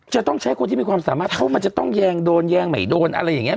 จะต้องใช้คนที่มีความสามารถเพราะมันจะต้องแยงโดนแยงใหม่โดนอะไรอย่างนี้